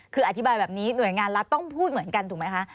คืออธิบายแบบนี้หน่วยงานรัฐต้องพูดเหมือนกันถูกไหมคะ